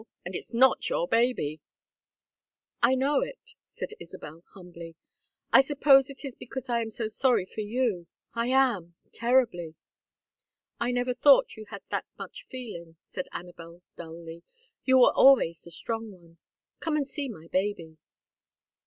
And it's not your baby." "I know it," said Isabel, humbly. "I suppose it is because I am so sorry for you. I am terribly." "I never thought you had that much feeling," said Anabel, dully. "You were always the strong one. Come and see my baby."